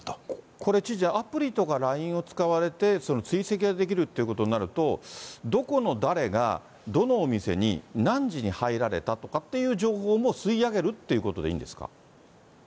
これ、知事、アプリとかＬＩＮＥを使われて、追跡ができるっていうことになると、どこの誰がどのお店に何時に入られたとかっていう情報も吸い上げ